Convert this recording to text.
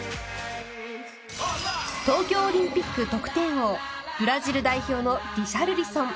東京オリンピック得点王ブラジル代表のリシャルリソン。